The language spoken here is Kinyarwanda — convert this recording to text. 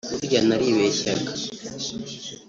burya naribeshyaga